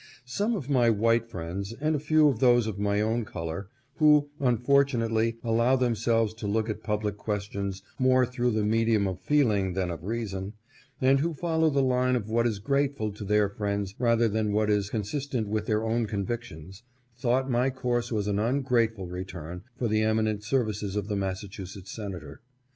Some of my white friends, and a few of those of my own color — who, un fortunately, allow themselves to look at public questions more through the medium of feeling than of reason, and who follow the line of what is grateful to their friends rather than what is consistent with their own convictions — thought my course was an ungrateful return for the eminent services of the Massachusetts senator.